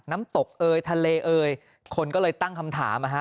น้ำตกเอยทะเลเอยคนก็เลยตั้งคำถามนะฮะ